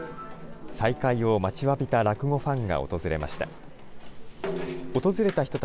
再開を待ちわびた落語ファンが訪れました。